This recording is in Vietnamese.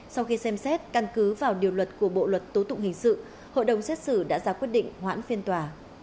sau khi xem xét căn cứ vào điều luật của bộ luật tố tụng hình sự hội đồng xét xử đã ra quyết định hoãn phiên tòa